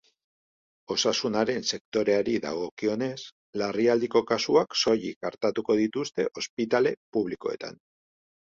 Osasunaren sektoreari dagokionez, larrialdiko kasuak soilik artatuko dituzte ospitale publikoetan.